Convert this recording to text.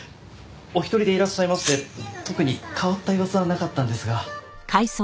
お一人でいらっしゃいまして特に変わった様子はなかったんですが。